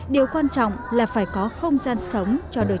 điều quan trọng là phải có không gian sống cho đồ chơi dân gian